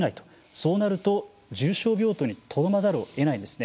そうなると重症病棟にとどまらざるをえないんですね。